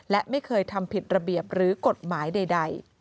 และไม่เคยทำผิดระเบียบหรือกฎหมายใด